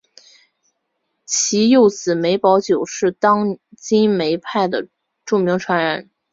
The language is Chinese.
其幼子梅葆玖是当今梅派的著名传人。